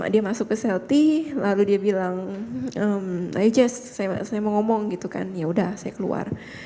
dia masuk ke selti lalu dia bilang ayo jess saya mau ngomong gitu kan yaudah saya keluar